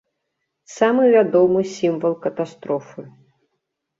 Самы вядомы сімвал катастрофы.